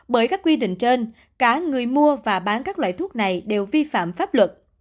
bởi các quy định trên cả người mua và bán các loại thuốc này đều vi phạm pháp luật